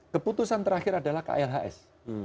keputusan terakhir adalah klhs